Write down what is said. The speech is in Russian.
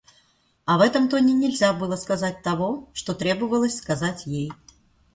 А в этом тоне нельзя было сказать того, что требовалось сказать ей.